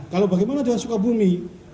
kalau bagaimana dengan sukabumi